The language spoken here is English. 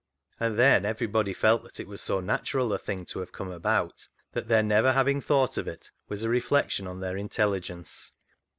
And then everybody felt that it was so natural a thing to have come about that their never having thought of it was a reflection on their intelli gence.